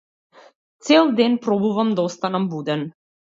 Цел ден пробувам да останам буден.